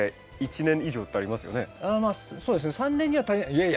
まあそうですね３年には足りない。